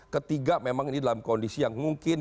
ketiga memang ini dalam kondisi yang mungkin